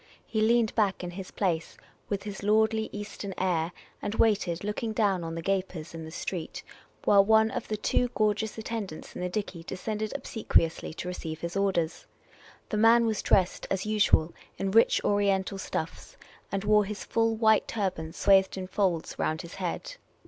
He leaned back in his place with his lordly Eastern air, and waited, looking down on the gapers in the street, while one of the two gorgeous attendants in the dickey de scended obsequiously to ''eceive his orders. The man was dressed as usual in rich Oriental stuffs, and wore his full white turban swathed in folds round his head.